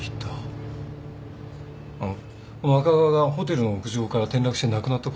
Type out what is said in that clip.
あのこの赤川がホテルの屋上から転落して亡くなったことは？